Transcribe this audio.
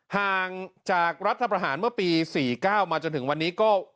ห่างจากรัฐประหารเมื่อปี๔๙มาจนถึงวันนี้ก็